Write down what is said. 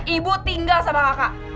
ibu tinggal sama kakak